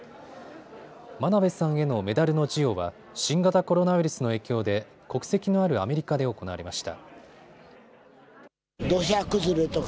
真鍋さんへのメダルの授与は新型コロナウイルスの影響で国籍のあるアメリカで行われました。